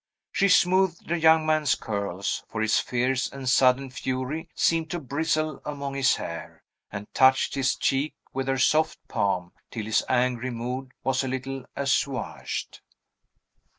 She smoothed the young man's curls (for his fierce and sudden fury seemed to bristle among his hair), and touched his cheek with her soft palm, till his angry mood was a little assuaged.